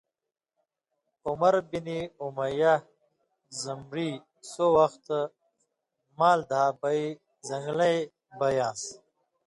عَمَر بن امیہ ضمری سو وخت مال دھا بَئیں (زنگلے) بئ یان٘س،